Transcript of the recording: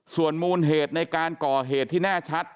ส่วนมูลเหตุในการก่อเหตุที่แน่ชัด